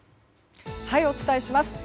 お伝えします。